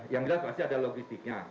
yang jelas pasti ada logistiknya